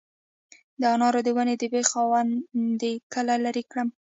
د انارو د ونې د بیخ خاوندې کله لرې کړم؟